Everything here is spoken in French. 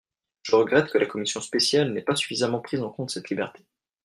Je regrette que la commission spéciale n’ait pas suffisamment pris en compte cette liberté.